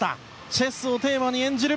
チェスをテーマに演じる。